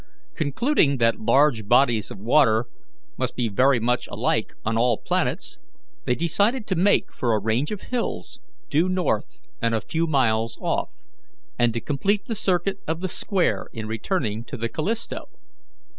Concluding that large bodies of water must be very much alike on all planets, they decided to make for a range of hills due north and a few miles off, and to complete the circuit of the square in returning to the Callisto.